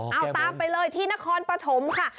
เอาตามไปเลยที่นครปฐมค่ะ